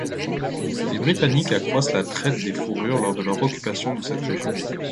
Les Britanniques accroissent la traite des fourrures lors de leur occupation de cette région.